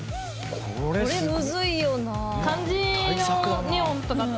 これむずいよなあ。